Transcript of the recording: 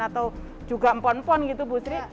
atau juga empon pon gitu bu sri